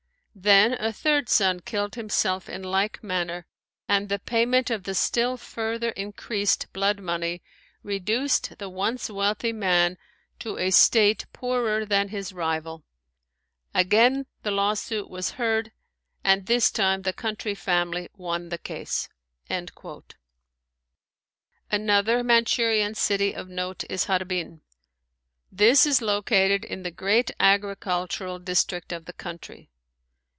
Then a third son killed himself in like manner and the payment of the still further increased blood money reduced the once wealthy man to a state poorer than his rival. Again the law suit was heard and this time the country family won the case." Another Manchurian city of note is Harbin. This is located in the great agricultural district of the country.